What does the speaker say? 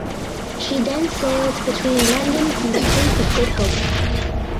She then sailed between London and the Cape of Good Hope.